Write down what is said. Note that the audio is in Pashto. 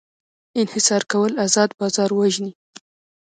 انحصار کول ازاد بازار وژني.